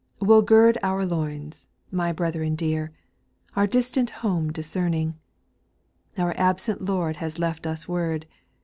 2. We '11 gird our loins, my brethren dear, Our distant home discerning ; Our absent Lord has left us word.